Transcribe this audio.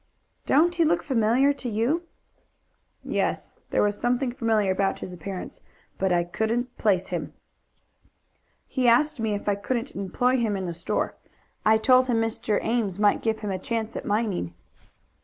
"Don't he look familiar to you?" "Yes; there was something familiar about his appearance, but I couldn't place him." "He asked me if I couldn't employ him in the store. I told him Mr. Ames might give him a chance at mining."